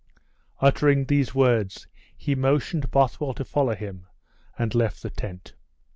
Uttering these words he motioned Bothwell to follow him, and left the tent.